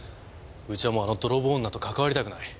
うちはもうあの泥棒女と関わりたくない。